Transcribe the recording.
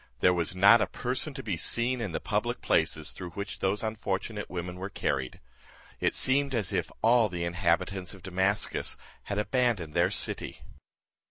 There was not a person to be seen in the public places through which those unfortunate women were carried. It seemed as if all the inhabitants of Damascus had abandoned their city.